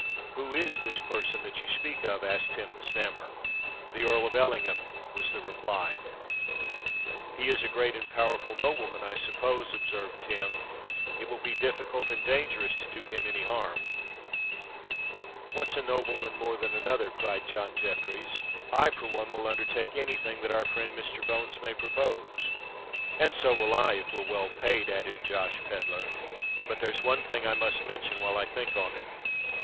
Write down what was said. "Who is this person that you speak of?" asked Tim the Snammer. "The Earl of Ellingham," was the reply. "He is a great and a powerful nobleman, I suppose," observed Tim. "It will be difficult and dangerous to do him any harm." "What's a nobleman more than another?" cried John Jeffreys. "I for one will undertake any thing that our friend Mr. Bones may propose." "And so will I—if we're well paid," added Josh Pedler. "But there's one thing I must mention while I think on it.